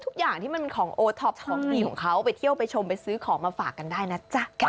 ทุกอย่างที่มันเป็นของโอท็อปของดีของเขาไปเที่ยวไปชมไปซื้อของมาฝากกันได้นะจ๊ะ